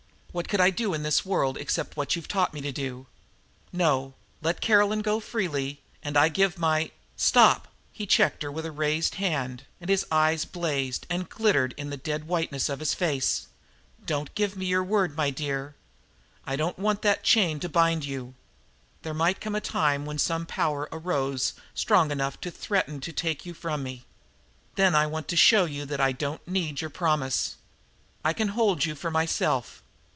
What could I do in the world except what you've taught me to do? No, let Caroline go freely, and I give my " "Stop!" He checked her with his raised hand, and his eyes blazed and glittered in the dead whiteness of his face. "Don't give me your word, my dear. I don't want that chain to bind you. There might come a time when some power arose strong enough to threaten to take you from me. Then I want to show you that I don't need your promise. I can hold you for myself.